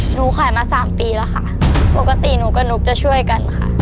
หนูขายมาสามปีแล้วค่ะปกติหนูกับนุ๊กจะช่วยกันค่ะ